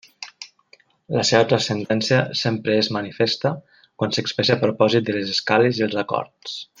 La seva transcendència sempre és manifesta quan s'expressa a propòsit de les escales i els acords.